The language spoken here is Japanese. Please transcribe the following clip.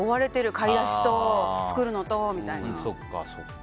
買い出しと、作るのとみたいな。